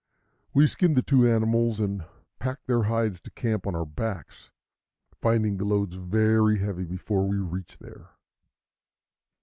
We skinned the two animals and packed their hides to camp on our backs, finding the loads very heavy before we reached there.